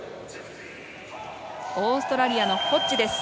オーストラリアのホッジです。